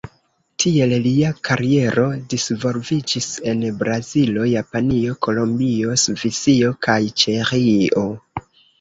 Tiel lia kariero disvolviĝis en Brazilo, Japanio, Kolombio, Svisio kaj Ĉeĥio.